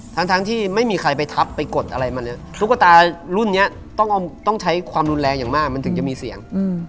ทั้งที่ไม่มีใครไปทับไปกดอะไรมาเลยตุ๊กตารุ่นนี้ต้องใช้ความรุนแรงอย่างมากมันถึงจะมีเสียง